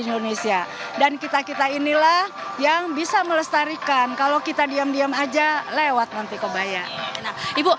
indonesia dan kita kita inilah yang bisa melestarikan kalau kita diam diam aja lewat nanti kebaya nah ibu